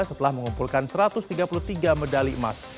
setelah mengumpulkan satu ratus tiga puluh tiga medali emas